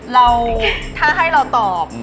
เราถ้าให้เราตอบ